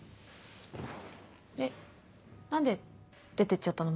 えっ何で出てっちゃったの？